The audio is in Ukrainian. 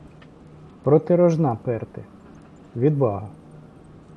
Проти рожна перти — відвага